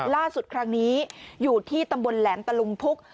ล่าสุดครั้งนี้อยู่ที่ตำบลแหลมตลุงพุก